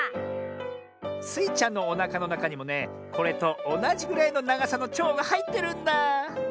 スイちゃんのおなかのなかにもねこれとおなじぐらいのながさのちょうがはいってるんだあ。